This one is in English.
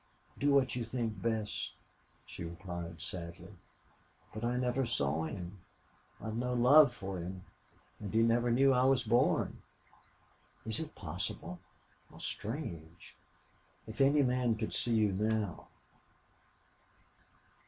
"Do what you think best," she replied, sadly. "But I never saw him. I've no love for him. And he never knew I was born." "Is it possible? How strange!... If any man could see you now!